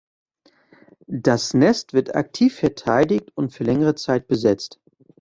Das Nest wird aktiv verteidigt und für längere Zeit besetzt.